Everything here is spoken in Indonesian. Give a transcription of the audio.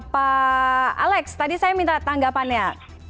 pak alex tadi saya minta tanggapannya